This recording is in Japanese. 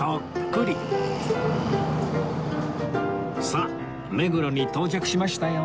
さあ目黒に到着しましたよ